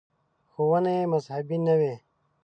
• ښوونې یې مذهبي نه وې.